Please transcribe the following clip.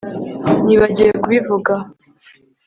Nibagiwe kubivuga